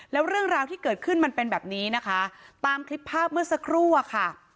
แล้วเรื่องราวที่เกิดขึ้นมันเป็นแบบนี้นะคะตามคลิปภาพเมื่อสักครู่อะค่ะ